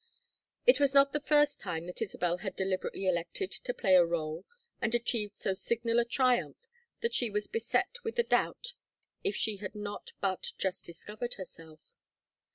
It was not the first time that Isabel had deliberately elected to play a rôle and achieved so signal a triumph that she was beset with the doubt if she had not but just discovered herself.